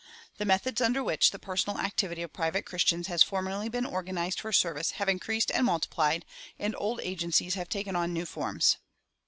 The methods under which the personal activity of private Christians has formerly been organized for service have increased and multiplied, and old agencies have taken on new forms.